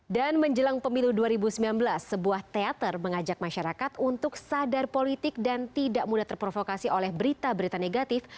dan menjelang pemilu dua ribu sembilan belas sebuah teater mengajak masyarakat untuk sadar politik dan tidak mudah terprovokasi oleh berita berita negatif